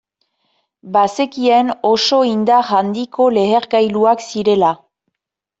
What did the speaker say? Bazekien oso indar handiko lehergailuak zirela.